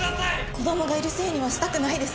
「子供がいるせいにはしたくないです」